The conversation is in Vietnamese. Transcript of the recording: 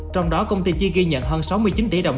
trong đó công ty chi ghi nhận hơn sáu mươi chín tỷ đồng